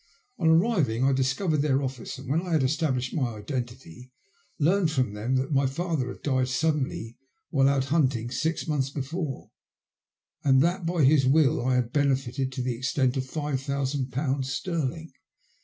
On arriving I discovered their office, and when I had established my identity, learned from them that my father had died suddenly while out hunting, six months before, and that by his will I had benefited to the extent of five thousand pounds sterling.